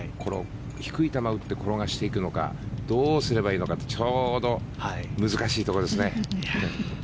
低い球を打って転がしていくのかどうしていけばいいのかちょうど難しいところですね。